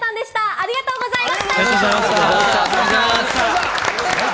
ありがとうございます。